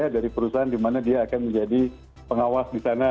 dari perusahaan di mana dia akan menjadi pengawas di sana